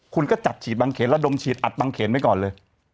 คุณก็จัดฉีดบางเขนระดมฉีดอัดบางเขนไว้ก่อนเลย